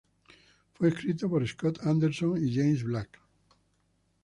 Fue escrito por Scott Anderson y James Black.